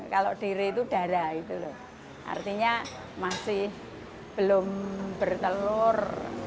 kalau dere itu darah artinya masih belum bertelur